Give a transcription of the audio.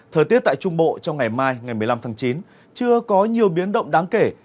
thời tiết tại trung bộ trong ngày mai ngày một mươi năm tháng chín chưa có nhiều biến động đáng kể